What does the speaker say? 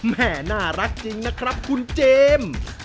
แม่น่ารักจริงนะครับคุณเจมส์